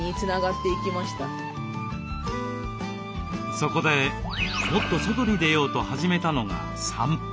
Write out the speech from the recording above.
そこでもっと外に出ようと始めたのが散歩。